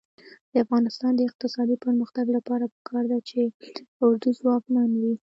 د افغانستان د اقتصادي پرمختګ لپاره پکار ده چې اردو ځواکمنه وي.